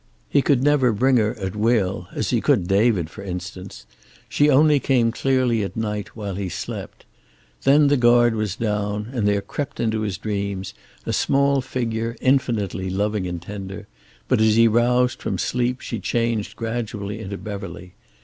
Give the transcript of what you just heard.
He could never bring her at will, as he could David, for instance. She only came clearly at night, while he slept. Then the guard was down, and there crept into his dreams a small figure, infinitely loving and tender; but as he roused from sleep she changed gradually into Beverly.